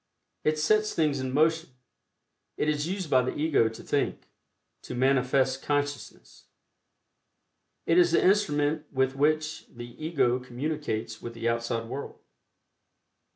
It sets things in motion; it is used by the Ego to think to manifest consciousness. It is the instrument with which the Ego communicates with the outside world.